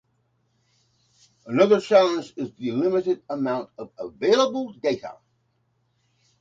Another challenge is the limited amount of available data.